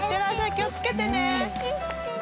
気を付けてね。